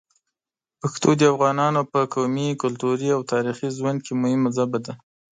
پښتو د افغانانو په قومي، کلتوري او تاریخي ژوند کې مهمه ژبه ده.